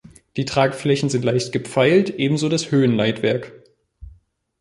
Die Tragflächen sind leicht gepfeilt, ebenso das Höhenleitwerk.